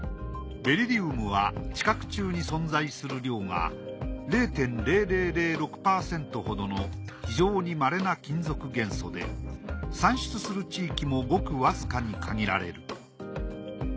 ベリリウムは地殻中に存在する量が０．０００６％ほどの非常にまれな金属元素で産出する地域もごくわずかに限られる。